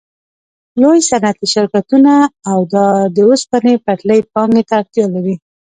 لوی صنعتي شرکتونه او د اوسپنې پټلۍ پانګې ته اړتیا لري